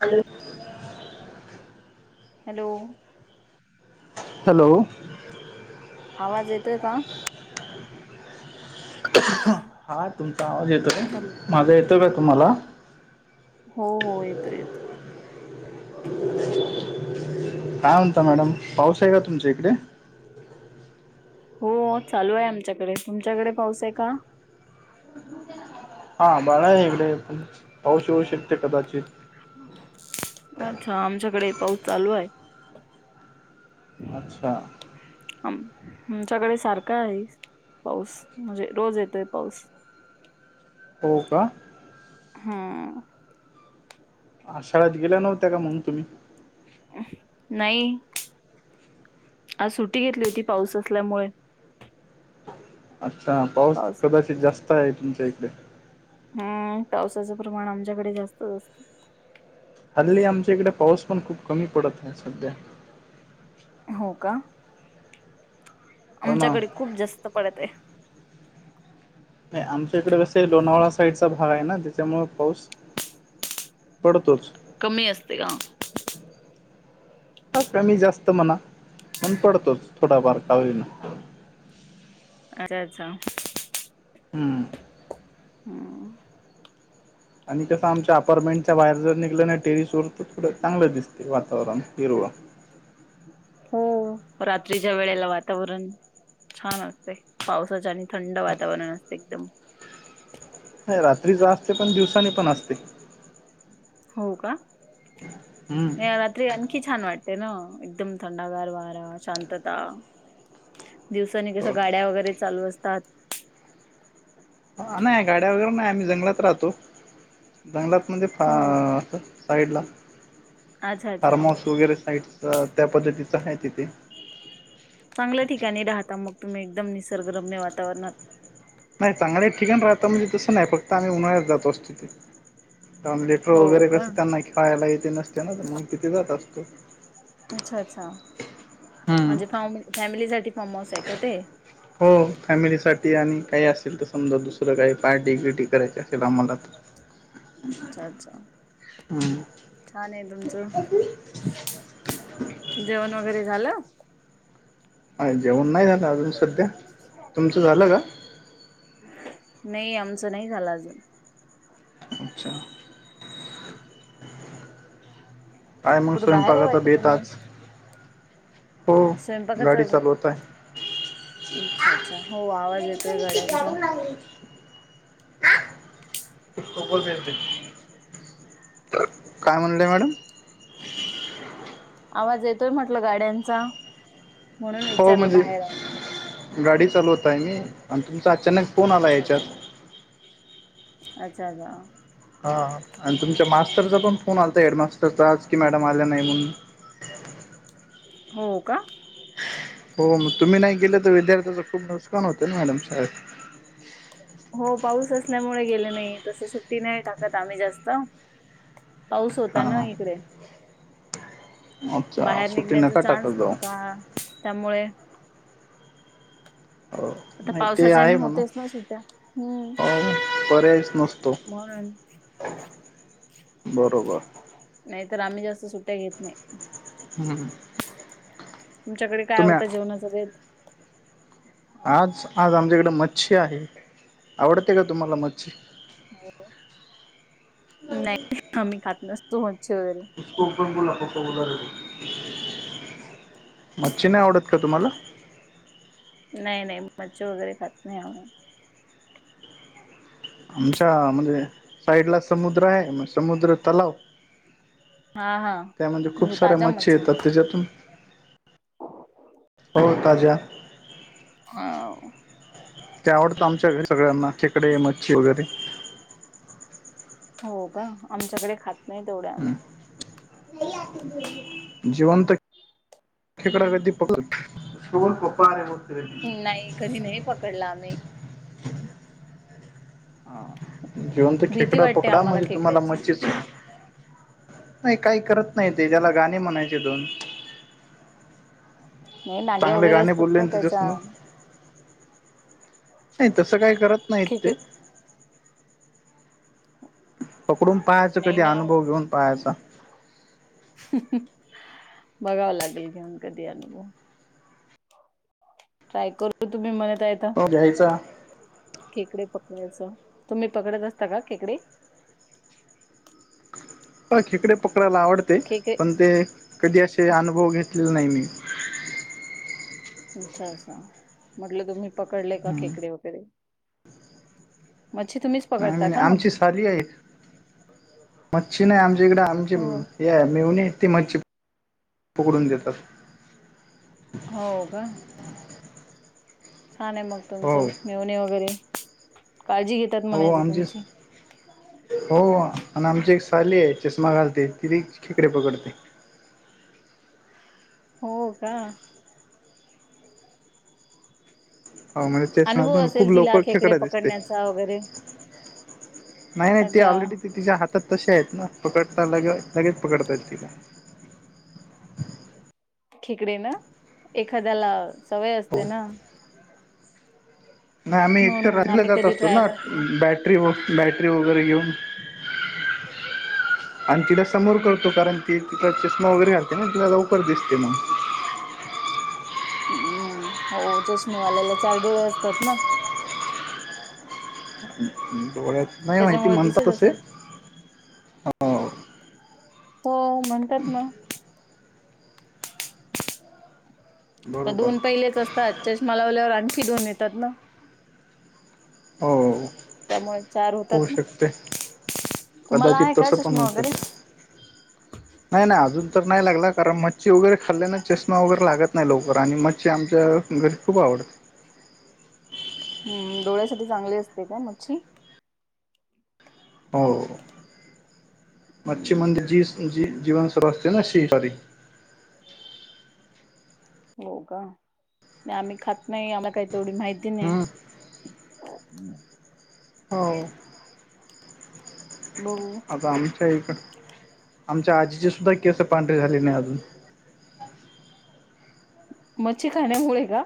Hello hello hello आवाज येतोय का? हा तुमचा आवाज येतोय. हॅलो माझा येतोय का तुम्हाला? हो हो येतोय येतोय. काय म्हणता मॅडम पाऊस आहे का तुमच्या इकडे? हो चालू आहे आमच्याकडे. तुमच्याकडे पाऊस आहे का? हा आभाळा आहे इकडे पण पाऊस येऊ शकते कदाचित. अच्छा आमच्याकडे पाऊस चालू आहे अच्छा ह आमच्याकडे सारखा आहे पाऊस म्हणजे रोज येतोय पाऊस [inaudible] हो का हा् आ शाळेत गेल्या नव्हत्या का म्हणून तुम्ही नाही आज सुट्टी घेतली होती पाऊस असल्यामुळे अच्छा पाऊस कदाचित जास्त आहे तुमच्या इकडे हम्म पावसाचं प्रमाण आमच्याकडे जास्तच असत हल्ली आमच्या इकडे पाऊस पण खूप कमी पडत आहे सध्या हो का हो ना आमच्याकडे खूप जास्त पडत आहे आमच्या इकडे कसं लोणावळा साईड चा हा आहे ना त्याच्यामुं पाऊस पडतोच कमी असते का हा कमी जास्त म्हणा मण पडतोच थोडाफार कालीना अच्छा अच्छा हम्म हम्म आणि कसं आमच्या अपारमेंट. बाहेर जर निघलं नाही टेरिस वर तर थोडं चांगलं दिसते वातावरण हिरवा हो रात्रीच्या वेळेला वातावरण छान असतंय पावसाच्या आणि थंड वातावरण असतें एकदम रात्री असते पण दिवसानी पण असते. हो का हम्म. रात्री आणखी छान वाटते. ते ना एकदम थंडागार वाा शांतता. दिवसाने कस गाड्या वगैरे चालू असतात. नाही गाड्या वगैरे नाही आम्ही जंगलात राहतो जंगलात. म्हणजे फ हो अस साईड ला अच्छा अच्छा र्मोस वगैरे साईड. अ त्या पद्धतीच आहे तिथे. चांगल्या ठिकाणी राहता मग तुम्ही एकदम निसर्गरम्य वातावरणात नाही चांगल्या ठिकाण राहता म्हणजे तसं नाही फक्त आम्ही उन्हाळ्यात जातो असतो ती काम लेटर हो वगैरे का कसं त्यांना खेळायला येते नसते ना, मंग तिथे जात असतो. अच्छा अच्छा! हम्म. म्हणजे फाम फॅमिली साठी फार्म हाऊसाय का ते? हो फॅमिलीसाठी आणि काही असेल तर समजा दुसरं काही पार्टी बिर्टी करायची असेल आम्हाला तर अच्छा च्छा! हम्म छान ये तुमचं, जेवण वगैरे झालं? अ जेवण नाही झालं अजून सध्या, तुमचं झालं का? नाही आमचं नाही झालं अजून अच्छा! काय मंग कुठे बाहेर आहे स्वयंपाकाचा वाटत बेत तुम्ही आज? हो स्वयंपाकाचा गाडी चालवत आय. अच्छा अच्छा हो आवाज येतोय गाड्यांचा. उकोल मिनते. काय म्हणलं आहे मॅडम. आवाज येतोय म्हटलं गाड्यांचा. म्हणून हो विचारलं म्हणजे बाहेर आहे का. गाडी चालूवत आहे मी आणि तुमचं अचानक फोन आला अच्छा याच्यात. अच्छा! अच्छा! हा आणि तुमच्या मास्तरचा पण फोन आलाता, हेडमास्टरचा आज की मॅडम आल्या नाही म्हणून हो का? हो म तुम्ही नाही गेले तर विद्यार्थ्याच खूप नुकसान होत ना मॅडम शाळेत हो पाऊस असल्यामुळे गेले नाही, तसं सुट्टी नाही टाकत आम्ही जास्त पाऊस होता ना हां इकडे अच्छा बाहेर सुट्टी निघण्याचा नका चान्स टाकत जाऊ नव्हता त्यामुळे हो आता नाही ते पावसाच्याने आहे म्हणा होतेच ना सुट्या, हम् हो पर्यायच नसतो मग [unintelligible] बरोबर नाहीतर आम्ही जास्त सुट्ट्या घेत नाही, उ हुहुहू तुमच्याकडे काय होता जेवणाचा बेत? आज आज आमच्याकडे मच्छी आहे, आवडते का तुम्हाला मच्छी? नाही ओ, नाही आम्ही खात नसतो मच्छी वगैरे [unintelligible] मच्छी नाही आवडत का तुम्हाला? नाही नाही मच्छी वगैरे खात नाही आम्ही आमच्या म्हणजे साईडला समुद्र आहे म समुद्र तलाव हा हा त्या म्हणजे खूप साऱ्या ताज्या मच्छी मच्छा येतात त्याज्यातून हो ताज्या हाव ते आवडतं आमच्या [unintelligible] सगळ्यांना खेकडे, मच्छी वगैरे हो का? आमच्याकडे खात नाही तेवढ्या आम्ही हम्म [unintelligible] जिवंत खेकडा कधी पक सूून कोपा नाही कधी नाही पकडला आम्ही [unintelligible] हा जिंवत भीती खेकडा वाटते पकडा आम्हाला म्हणजे तुम्हाला खेकड्याची मच्छिच नाही काही करत नाही, ते ज्याला गाणे म्हणायचे दोन नाही नागे चांगले वगैरे गाणे असतात बोलले ना त्याच्या तिच्यासमोर नाही तसं काही करत नाहीत ते खेकड पकडून पाहायचं नाही कधी अनुभव घेऊन पाहायचा... बघाव लागेल घेऊन कधी अनुभव... ट्राय करू तुम्ही म... हो घ्यायचा... खेकडे पकडयचं तुम्ही पकडत असता का खेकडे... अ खेकडे पकडायला आवडते खेकडे पण ते कधी असे अनुभव घेत... घतलेलं नाही मी... अच्छा अच्छा म्हटलं तुम्ही पकडले का हम्म. खेकडे वगैरे... मच्छी तुम्हीच आम्ही पकडता का नाही मग आमची साली आहे... मच्छी नाही आमच्या इकडें आमची हो हे मेहूनी... ती मच्छी पकडून देतात हो का? छान आहे मग हो तुमचं मेव्हणी वगैरे... काळजी घेतात हो म्हणायचं आमची तुमची हो आणि आमची एक साली आहे, चष्मा घालते ति [unintelligible] खेकडे पकडते. हो का? हो म्हणजे अनुभव चष्मातून खूप असेल तिला लवकर खेकडे खेकडा दिसते. पकडण्याचा वगैरे नाही नाही ते अच्छा ऑलरेडी ते तिच्या हातात तसे आहेत ना पकडता लगे लगेच पकडतात तिला खेकडे ना, एखाद्याला सवय असते हो ना नाही आम्ही एक तर म्हणून राहिल आम्ही जात कधी असतो ट्राय ना, नाही केला. बॅटरी व बॅटरी वगैरे घेऊन... हम... आणि तिला समोर करतो कारण ती तिला चष्मा वगैरे घाते ना तिला लवकर दिसते मग... हम्म हो चष्मीवाल्याला चार डोळे असतात ना... नाही नाही माहिती त्याच्यामुळे म्हणतात दिसत असे. असेल. हो म्हणतात मग... तर बरोबर दोन पहिलेच असतात चष्मा लावल्यावर आणखी दोन येतात ना... हो... त्यामुळे चार होऊ होतात ना... शकते तुम्हाला कदाचित आहे का तसं पण चष्मा होऊ वगैरे... शकते. नाही नाही अजून तर नाही लागला कारण मच्छी वगैरे खाल्ल्यानें चष्मा वगैरे लागत नाही लवकर आणि मच्छी आमचं... घरी खूप आवडतं... हम्म डोळ्यासाठी चांगली असते का मच्छी.... हो मच्छि हम्म जी जी.... जीवन सुरु असते ना शपा... हो का आम्ही खात नाही आम्हाला काही तेवढी माहिती नाही... हम्म. हम.... हो बघू आता आमच्याकडे... आमच्या आजीची सुद्धा केस पांढरी झाली नाही अजून... मच्छी खाण्यामुळे का?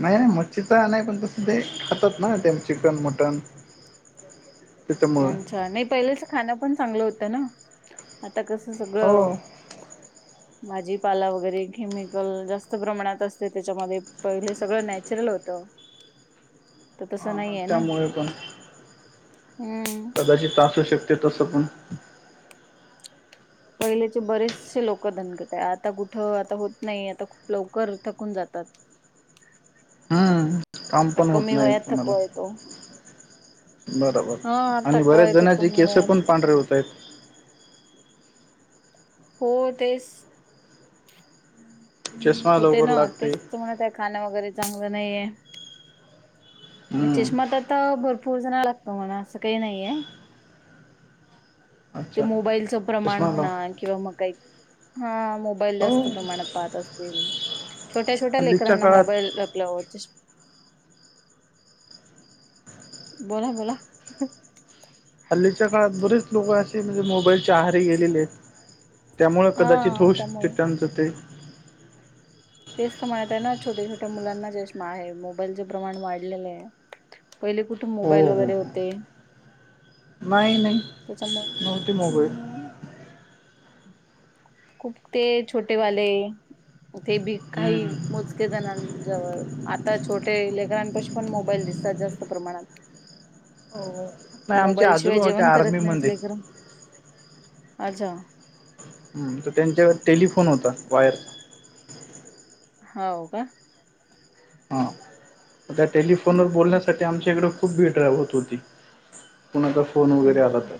नाही नाही मच्छीचा नाही पण तसं ते खातात ना ते चिकन मटन.... त्याच्यामुळं अनच्छा नाही पहिलंच खाणं पण चांगलं होत ना.... आता कसं हो सगळं भाजी पाला वगैरे केमिकल जास्त प्रमाणात असते त्याच्यामध्ये, पहिले सगळं नॅचरल होतं. तर तसं हा नाहीय ना. त्यामुळे पण हम्म कदाचित आसू शकते तसं पण. पहिलेचे बरेचसे लोकं धणकट आहे, आता कुठं आता होत नाही आता खूप लवकर थकून जा तात. हम्म काम पण होत कमी नाही वयात कुणाला. थकवा येतो बरोबर हा आणि थकवा बरेच येतो जणांचे कमी केसं वयात पण पांढरे होत आहेत. हो तेच चष्मा होते लवकर ना लागते तेच त म्हणात आहे खाणं वगैरे चांगलं नाहीे आहे. हम्म चष्मा तर भरपूर जणा लागतो म्हणा असं काही नाहीये. ते अच्छा मोबाईलचं. प्रमाण चष्मा लाव म्हणा किंवा मग काही हा मोबाईल हो जास्त प्रमाणात पाहत असतील. छोट्या-छोट्या हल्लीच्या लेकरांना काळात मोबाईल लपल्या च बोला-बोला. हल्लीच्या काळात बरेच लोकं असे म्हणजे मोबाईलचे आहारीे गेलेले आहेत. त्यामुळं कदाचित हा होऊ शकते त्यामुळे त्यांचं ते. तेच तर म्हणत आहे ना छोट्या-छोट्या मुलांना चष्मा आहे, मोबाईलच प्रमाण वाढलेलं आहे. पहिले कुठे हो मोबाईल हो वगैरे हो. होते. नाही नाही त्याच्यामुळे नव्हती मोबाईल हम्म खूप ते छोटेवाले ते बी काही हम्म. मोज के जणांजवळ आता छोटे लेकरांपशी पण मोबाईल दिसतात जास्त प्रमाणात. हो. मोबाईल शिवाय जेवण करत नाहीत लेकर अच्छा. हम्म तर त्यांच्यावर टेलिफोन होता वायर हाव का? हा. त्या टेलिफोन वर हम्म बोलण्यासाठी आमच्या इकडे खूप भीड्रव होत होती. कुणाचा फोन वगैरे हम्म आला तर.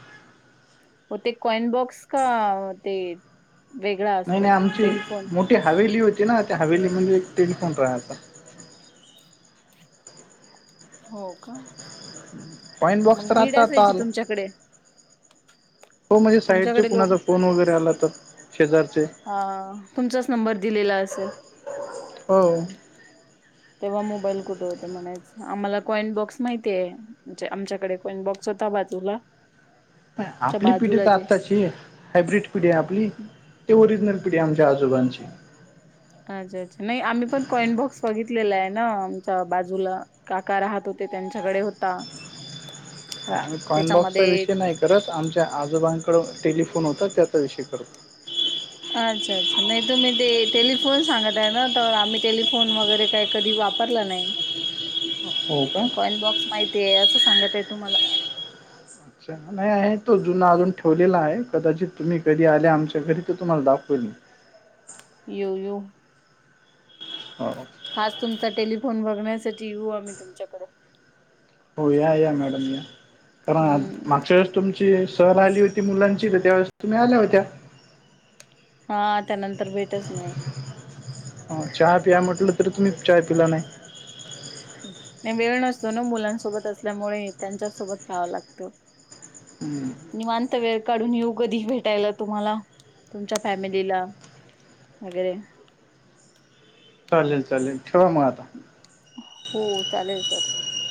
कसं का ते. वेगळा नाही असतो नाही आमची टेलिफोन मोठी हवेली हो ती ना त्या हवेली मध्ये एक टेलफोन राहाचा. हो का, कॉइन बॉक्स मग तर भीड आता आता असायची आला. तुमच्याकडे. हो म्हणजे साईडचे तुमच्याकडे कुणाचा लोक फोन वगैरे आला तर शेजारचे. हा तुमचाच नंबर दिलेला असेल? हो. तेव्हा मोबाईल कुठे होते म्हणायचं, आम्हाला कॉइन बॉक्स माहितीय, म्हणजे आमच्याकडे कॉइन बॉक्स. होता बाजूला. च्या आपली पिढी बाजूला तर जे आत्ताची हायब्रीड पिढी आहे आपली ते ओरिजनल पिढी आमच्या आजोबांची. अच्छा अच्छा नाही आम्ही पण कॉईन बॉक्स बघितल बघितलेला आहे ना आमच्या बाजूला काका राहत होते त्यांच्याकडे होता. कॉइईट बॉक्सचा त्याच्यामध्ये विषय नाही करत आमच्या आजोबां कडं टेलिफोन होता त्याचा विषय करतो. अच्छा अच्छा नाही तुम्ही ते टेलिफोन सांगत आहे ना तर आम्ही टेिलिफोन वगैरे काय कधी वापरला नाही. हो का कॉईन बॉक्स माहिती आहे असं सांगत आहे तुम्हाला. अच्छा नाही आहे तो जुना अजून ठेवलेला आहे कदाचित तुम्ही कधी आल्या आमच्या घरी तर तुम्हाला दाखवेल मी. येऊ येऊ हो खास तुमचा टेलिफोन बघण्यासाठी येऊ आम्ही तुमच्याकडे हो या या मॅडम या कारण हा हम्म मागच्या वेळेस तुम चे सहल आली होती मुलांची तर त्यावेळेस तुम्ही आल्या होत्या. हा त्यानंतर भेटच नाही चहा पिया म्हटलं तर तुम्ही चाय पिला नाय जणू मुलांसोबत असल्यामुळे त्यांच्या सोबत राहावं लागतं हम्म. त वेळ काढून येऊ कधी भेटायला तुम्हाला तुमच्या फॅमिलीला वैगरे चालेल चालेल ठेवा म आता हो चालेल सर